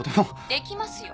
できますよ。